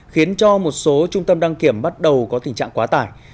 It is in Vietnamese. khiến cho một số trung tâm đăng kiểm bắt đầu có tình trạng quá tải